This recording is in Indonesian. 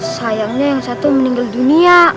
sayangnya yang satu meninggal dunia